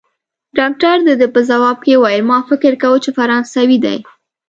ډاکټر د ده په ځواب کې وویل: ما فکر کاوه، چي فرانسوی دی.